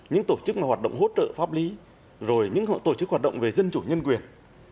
những hoạt động hỗ trợ pháp lý rồi những tổ chức hoạt động về dân chủ nhân quyền